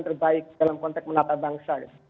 terbaik dalam konteks menata bangsa